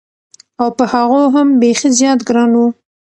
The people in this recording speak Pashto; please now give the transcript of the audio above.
او په هغو هم بېخي زیات ګران و.